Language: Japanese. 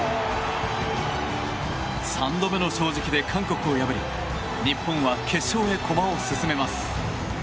三度目の正直で韓国を破り日本は決勝へ駒を進めます。